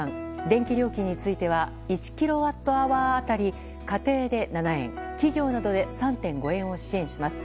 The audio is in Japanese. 電気料金については１キロワットアワー当たり家庭で７円、企業などで３．５円を支援します。